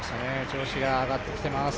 調子が上がってきてます。